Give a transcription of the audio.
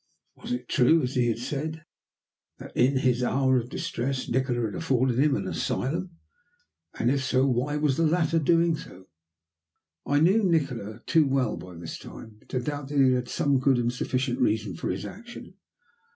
Was it true, as he had said, that in his hour of distress Nikola had afforded him an asylum? and if so, why was the latter doing so? I knew Nikola too well by this time to doubt that he had some good and sufficient reason for his action.